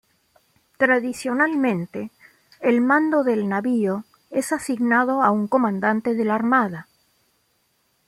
Tradicionalmente, el mando del navío es asignado a un comandante de la Armada.